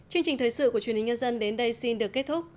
chương trình thời sự của truyền hình nhân dân đến đây xin được kết thúc